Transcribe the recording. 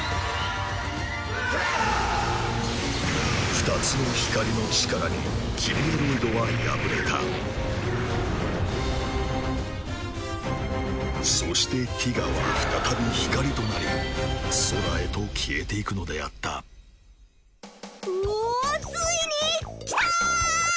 ２つの光の力にキリエロイドは敗れたそしてティガは再び光となり空へと消えていくのであったうぉついにキター！